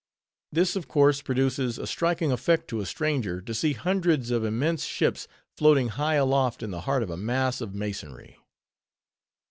This, of course, produces a striking effect to a stranger, to see hundreds of immense ships floating high aloft in the heart of a mass of masonry.